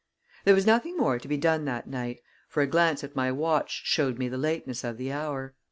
There was nothing more to be done that night, for a glance at my watch showed me the lateness of the hour.